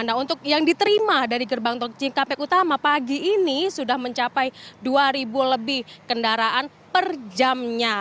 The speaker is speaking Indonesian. nah untuk yang diterima dari gerbang tol cikampek utama pagi ini sudah mencapai dua lebih kendaraan per jamnya